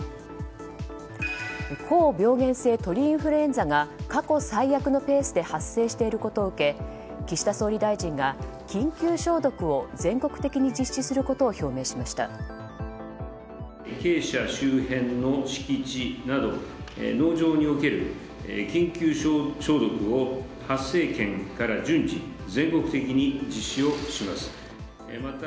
高病原性鳥インフルエンザが過去最悪のペースで発生していることを受け岸田総理大臣が緊急消毒を全国的に実施することを表明しました。